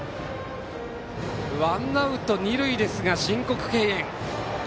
ワンアウト、二塁ですが申告敬遠。